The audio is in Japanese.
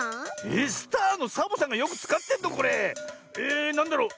えっスターのサボさんがよくつかってんのこれ？えなんだろう。